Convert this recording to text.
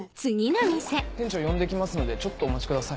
店長呼んで来ますのでちょっとお待ちください。